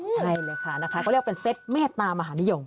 ใช่เลยค่ะก็เรียกว่าเป็นเซ็ตแม่ตามหานิยม